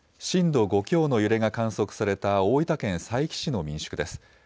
震度５強の揺れが観測された大分県佐伯市の民宿です。